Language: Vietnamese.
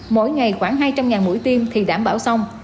mỗi ngày khoảng hai trăm linh mũi tiêm thì đảm bảo xong